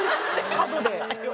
角で？